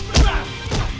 karena apa pun